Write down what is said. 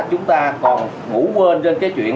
chúng ta còn ngủ quên trên cái chuyện